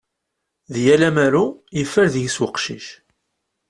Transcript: Deg yal amaru, yeffer deg-s uqcic.